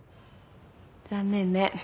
残念ね。